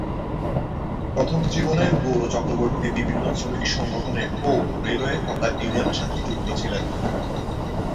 প্রথম জীবনে গৌর চক্রবর্তী বিভিন্ন শ্রমিক সংগঠন ও রেলওয়ে হকার ইউনিয়নের সাথে যুক্ত ছিলেন।